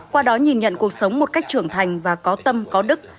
qua đó nhìn nhận cuộc sống một cách trưởng thành và có tâm có đức